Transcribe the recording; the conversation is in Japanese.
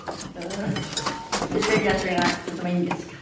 でそれにはそれがとてもいいんですか？